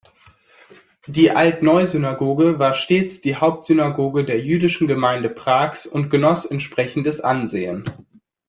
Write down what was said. Die Altneu-Synagoge war stets die Hauptsynagoge der jüdischen Gemeinde Prags und genoss entsprechendes Ansehen.